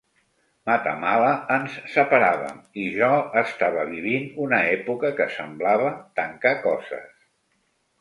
Matamala ens separàvem i jo estava vivint una època que semblava tancar coses.